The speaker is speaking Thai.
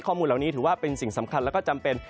ถือว่าเป็นสิ่งสำคัญและก็จำเป็น